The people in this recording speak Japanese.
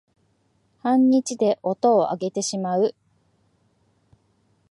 半日で音をあげてしまう